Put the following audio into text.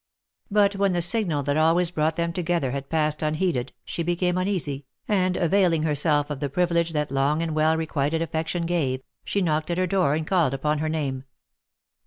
But when the signal that always brought them together had passed unheeded, she became uneasy, and availing herself of the privilege that long and well requited affection gave, she knocked at her door and called upon her name.